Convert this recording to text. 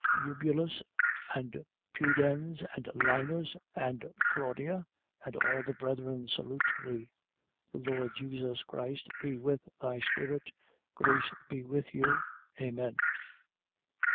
Eubulus and Pudens and Linus and Claudia and all the brethren, salute thee. 4:22. The Lord Jesus Christ be with thy spirit. Grace be with you. Amen.